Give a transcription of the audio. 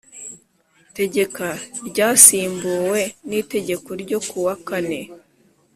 tegeko ryasimbuwe nitegeko ryo ku wa kane